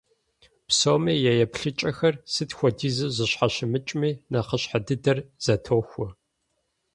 Псоми я еплъыкӀэхэр, сыт хуэдизу зэщхьэщымыкӀми, нэхъыщхьэ дыдэр зэтохуэ.